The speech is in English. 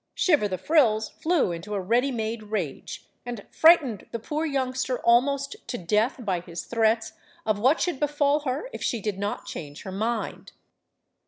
Shiver the Frills flew into a ready made rage and frightened the poor youngster almost to death by his threats of what should befall her if she did not change her mind.